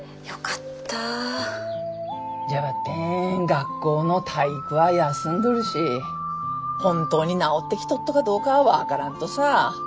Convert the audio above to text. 学校の体育は休んどるし本当に治ってきとっとかどうかは分からんとさ。